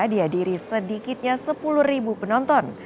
diadiri sedikitnya sepuluh ribu penonton